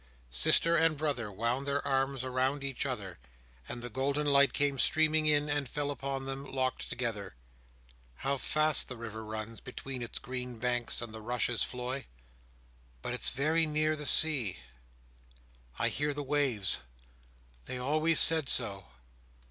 Sister and brother wound their arms around each other, and the golden light came streaming in, and fell upon them, locked together. "How fast the river runs, between its green banks and the rushes, Floy! But it's very near the sea. I hear the waves! They always said so!"